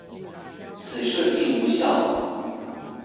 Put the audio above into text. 此設計無效